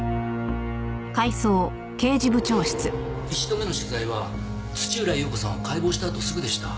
１度目の取材は土浦裕子さんを解剖したあとすぐでした。